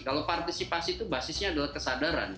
kalau partisipasi itu basisnya adalah kesadaran